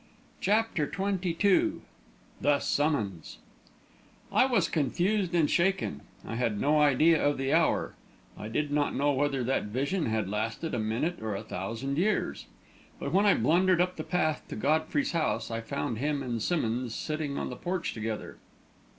CHAPTER XXII THE SUMMONS I was confused and shaken; I had no idea of the hour; I did not know whether that vision had lasted a minute or a thousand years. But when I blundered up the path to Godfrey's house, I found him and Simmonds sitting on the porch together.